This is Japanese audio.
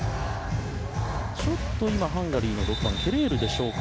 ちょっとハンガリーのケレールでしょうか。